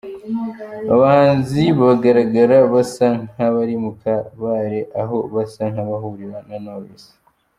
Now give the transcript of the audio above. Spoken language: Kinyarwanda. Aba bahanzi bagaragara basa nk’abari mu kabare, aho basa nk’abahurira na Knowless.